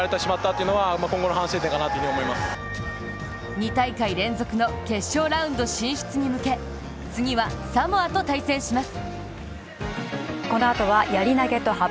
２大会連続の決勝ラウンド進出に向け次はサモアと対戦します。